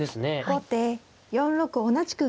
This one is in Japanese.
後手４六同じく銀。